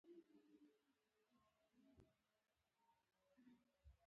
د هغه د غزل تکنيک هم د تغزل هغه نزاکت لرلو